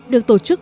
được tổ chức